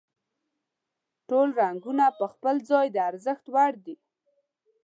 ټول رنګونه په خپل ځای د ارزښت وړ دي.